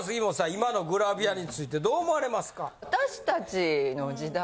今のグラビアについてどう思われますか？